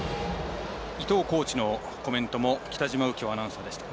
伊藤コーチのコメントも北嶋右京アナウンサーでした。